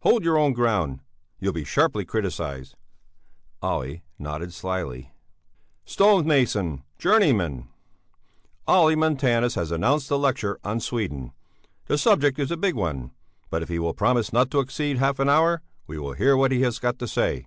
Hold your own ground, you'll be sharply criticized." Olle nodded slyly. "Stonemason, journeyman, Olle Montanus has announced a lecture on Sweden; the subject is a big one. But if he will promise not to exceed half an hour, we will hear what he has got to say.